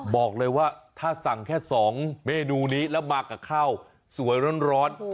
บอกเลยว่าถ้าสั่งแค่๒เมนูนี้แล้วมากับข้าวสวยร้อน